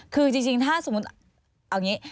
คือจริงถ้าสมมุติเอาอย่างนี้